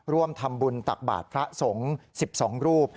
ร่วมทำบุญตักบาทพระสงฆ์๑๒รูป